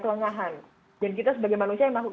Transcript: kelengahan dan kita sebagai manusia yang